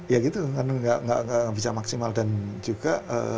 ya gitu kan nggak bisa maksimal dan juga